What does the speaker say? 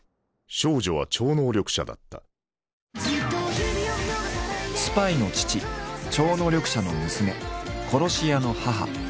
少女は超能力者だったスパイの父超能力者の娘殺し屋の母。